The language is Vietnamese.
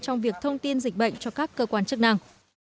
trong việc thông tin dịch bệnh cho các cơ quan chức năng